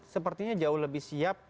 sepertinya jauh lebih siap